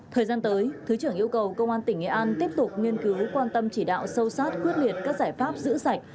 thời gian tới thứ trưởng yêu cầu công an tỉnh nghệ an tiếp tục nghiên cứu quan tâm chỉ đạo sâu sát quyết liệt các giải pháp giữ sạch